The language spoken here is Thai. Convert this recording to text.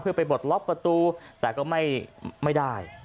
เพื่อไปปลดล็อกประตูแต่ก็ไม่ได้